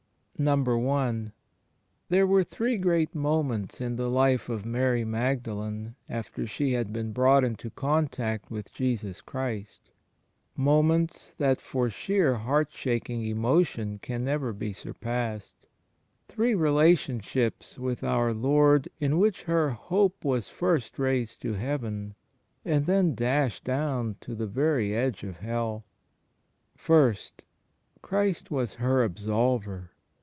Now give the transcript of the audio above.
I. There were three great moments in the life of Mary Magdalene, after she had been brought into contact with Jesus Christ — moments that for sheer heart shaking emotion can never be surpassed — three rela tionships with our Lord in which her hope was first raised to heaven, and then dashed down to the very edge of hell. (i) First, Christ was her Absolver.